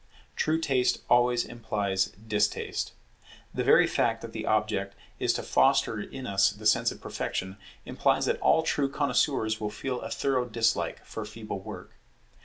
True taste always implies distaste. The very fact that the object is to foster in us the sense of perfection, implies that all true connoisseurs will feel a thorough dislike for feeble work.